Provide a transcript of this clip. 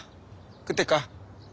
食ってくか？